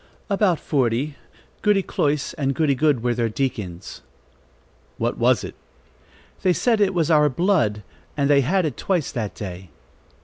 "About forty. Goody Cloyse and Goody Good were their deacons." "What was it?" "They said it was our blood, and they had it twice that day."